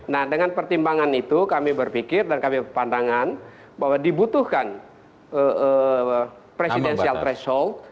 nah dengan pertimbangan itu kami berpikir dan kami berpandangan bahwa dibutuhkan presidensial threshold